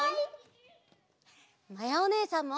まやおねえさんも！